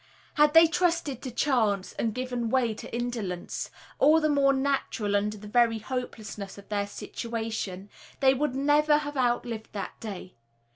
Had they trusted to chance and given way to indolence, all the more natural under the very hopelessness of their situation, they would never have outlived that day.